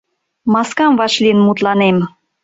Маскам вашлийын мутланем.